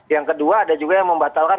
yang kedua ada juga yang membatalkan